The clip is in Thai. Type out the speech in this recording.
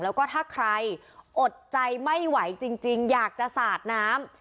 แล้วก็ถ้าใครอดใจไม่ไหวจริงอยากจะสาดน้ำ